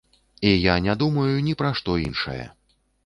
І я не думаю ні пра што іншае.